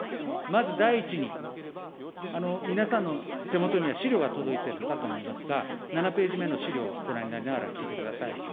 まず第１に、皆さんの手元には資料が届いてるかと思いますが、７ページ目の資料をご覧になりながら聞いてください。